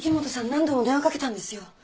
何度も電話かけたんですよ。